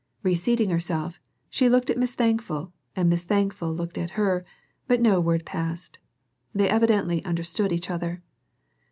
Reseating herself, she looked at Miss Thankful and Miss Thankful looked at her, but no word passed. They evidently understood each other.